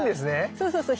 そうそうそう。